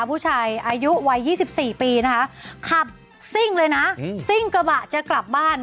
ผู้ชายอายุวัย๒๔ปีนะคะขับซิ่งเลยนะซิ่งกระบะจะกลับบ้าน